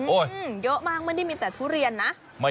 เยอะมากไม่ได้มีแต่ทุเรียนนะ